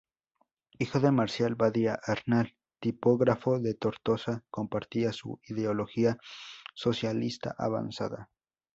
Hijo de Marcial Badia Arnal, tipógrafo de Tortosa, compartía su ideología socialista avanzada.